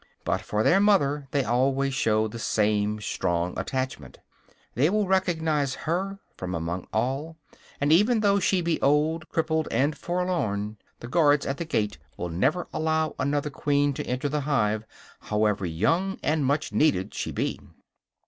But for their mother they always show the same strong attachment. They will recognize her from among all; and even though she be old, crippled and forlorn, the guards at the gate will never allow another queen to enter the hive, however young and much needed she be.